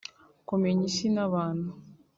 kumenya isi n’abantu